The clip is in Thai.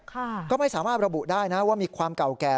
ก็ไม่สามารถระบุได้นะว่ามีความเก่าแก่